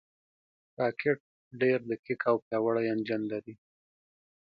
راکټ ډېر دقیق او پیاوړی انجن لري